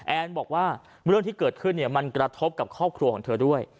แอนบอกว่าเรื่องที่เกิดขึ้นมันกระทบกับครอบครัวของเธอด้วย